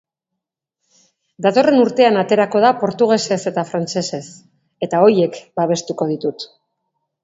Datorren urtean aterako da portugesez eta frantsesez, eta horiek babestuko ditut.